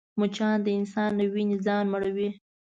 مچان د انسان له وینې ځان مړوي